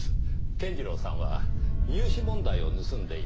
健次郎さんは入試問題を盗んでいました。